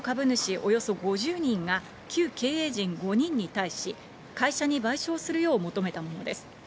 およそ５０人が、旧経営陣５人に対し、会社に賠償するよう求めたものです。